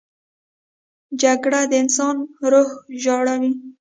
جګړه د انسان روح ژاړي